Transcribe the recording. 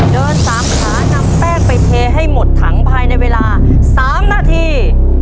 ๓ขานำแป้งไปเทให้หมดถังภายในเวลา๓นาที